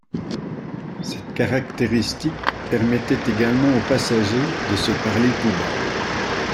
Cette caractéristique permettait également aux passagers de se parler tout bas.